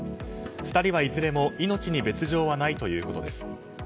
２人はいずれも命に別条はないということです。